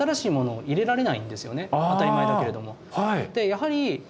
当たり前だけれども。